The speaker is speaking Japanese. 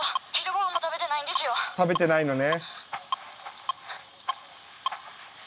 食べてないのね。